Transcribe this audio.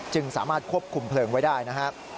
จึงสามารถควบคุมเพลิงไว้ได้นะฮะ